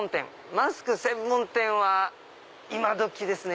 マスク専門店は今どきですね。